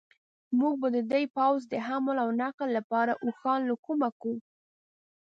موږ به د دې پوځ د حمل و نقل لپاره اوښان له کومه کوو.